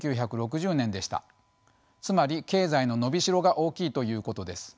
つまり経済の伸びしろが大きいということです。